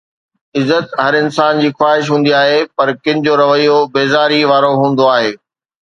عزت هر انسان جي خواهش هوندي آهي، پر ڪن جو رويو بيزاري وارو هوندو آهي